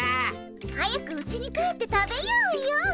早くうちに帰って食べようよ。